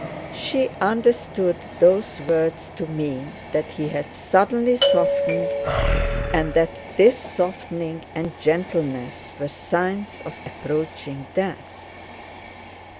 She understood those words to mean that he had suddenly softened and that this softening and gentleness were signs of approaching death.